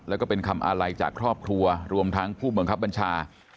แล้วก็เป็นคำอาลัยจากครอบครัวรวมทั้งผู้บังคับบัญชา